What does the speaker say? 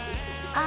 あ